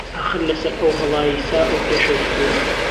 ئاخر له سهر ئهو ههڵاییسا ئهو کێشه و فتوره